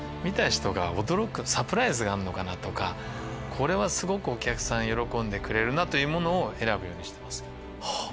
これはすごくお客さん喜んでくれるなというものを選ぶようにしてます。